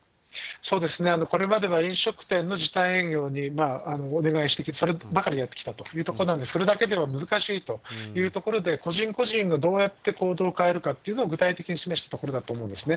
これまでは飲食店の時短営業に、お願いしてきた、そればかりやってきたと、それだけでは難しいというところで、個人個人がどうやって行動を変えるかというのを、具体的に示したところだと思うんですね。